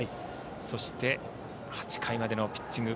そして、８回までのピッチング